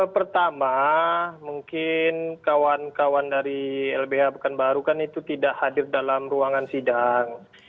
pertama mungkin kawan kawan dari lbh pekanbaru kan itu tidak hadir dalam ruangan sidang